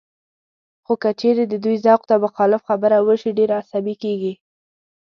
خو که چېرې د دوی ذوق ته مخالف خبره وشي، ډېر عصبي کېږي